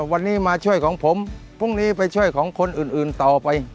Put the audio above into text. วันนี้มาช่วยของผมพรุ่งนี้ไปช่วยของคนอื่นต่อไป